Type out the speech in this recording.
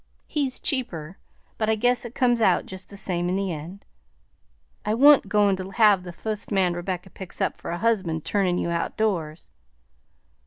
He's cheaper, but I guess it comes out jest the same in the end. I wan't goin' to have the fust man Rebecca picks up for a husband turnin' you ou'doors."